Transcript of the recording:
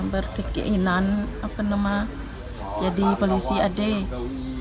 berkeinginan apa nama jadi polisi adik